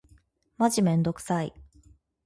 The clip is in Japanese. マジめんどくさい。